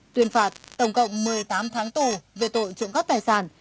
tuyên phạt tổng cộng một mươi tám tháng tù về tội trưởng góp tài sản